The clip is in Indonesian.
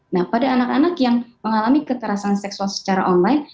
nah pada anak anak yang mengalami kekerasan seksual secara online